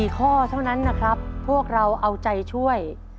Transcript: ๔ข้อเท่านั้นนะครับพวกเราเอาใจช่วย